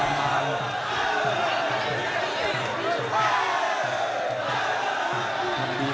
เดินละครับอาจารย์มาก